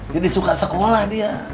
jadi suka sekolah dia